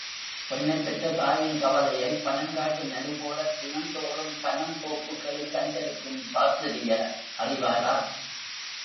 பெண்ணைப் பெற்ற தாயின் கவலையைப் பனங்காட்டு நரி போலத் தினந்தோறும் பனந்தோப்புகளில் சஞ்சரிக்கும் சாஸ்திரியார் அறிவாரா?